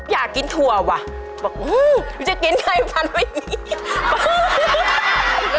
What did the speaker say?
อยากเห็นจริง